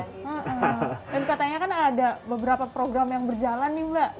dan katanya kan ada beberapa program yang berjalan nih mbak